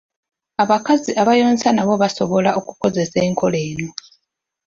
Abakazi abayonsa nabo basobola okukozesa enkola eno.